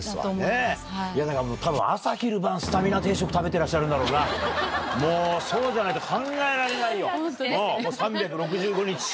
たぶん朝昼晩スタミナ定食食べてらっしゃるんだろうな、もう、そうじゃないと考えられないよ、もう３６５日。